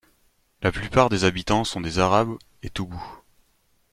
La plupart des habitants sont des Arabes et Toubou.